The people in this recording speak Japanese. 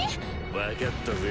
分かったぜ